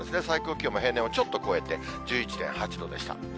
最高気温も平年をちょっと超えて、１１．８度でした。